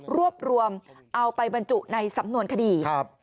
รวบรวมเอาไปบรรจุในสำนวนคดี